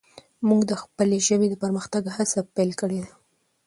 موږ د خپلې ژبې د پرمختګ هڅه پیل کړي ده.